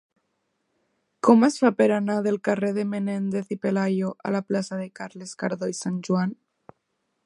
Com es fa per anar del carrer de Menéndez y Pelayo a la plaça de Carles Cardó i Sanjoan?